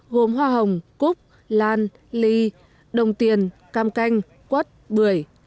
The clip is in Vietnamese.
gồm hoa hồng cúc lan ly đồng tiền cam canh quất bưởi